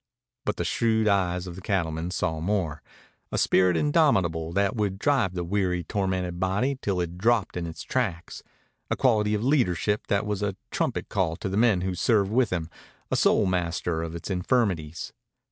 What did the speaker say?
But the shrewd eyes of the cattleman saw more a spirit indomitable that would drive the weary, tormented body till it dropped in its tracks, a quality of leadership that was a trumpet call to the men who served with him, a soul master of its infirmities.